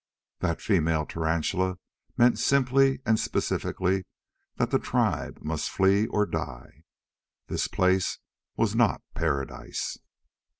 That female tarantula meant simply and specifically that the tribe must flee or die. This place was not paradise!